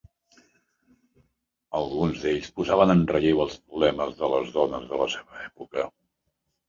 Alguns d'ells posaven en relleu els problemes de les dones de la seva època.